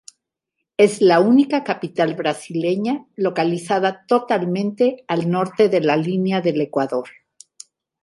Es la única capital brasileña localizada totalmente al norte de la línea del Ecuador.